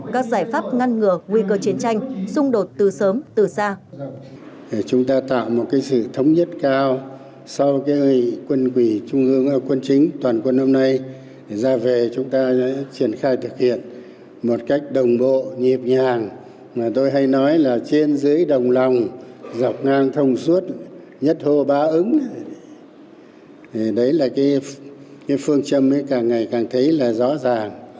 các giải pháp ngăn ngừa nguy cơ chiến tranh xung đột từ sớm từ xa